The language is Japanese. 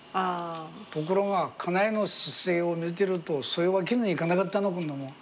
ところが家内の姿勢を見てるとそういう訳にはいかなかったのこんなもん。